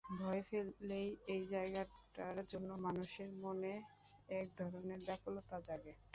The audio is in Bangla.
ভয় পেলেই এই জায়গাটার জন্যে মানুষের মনে এক ধরনের ব্যাকুলতা জাগে।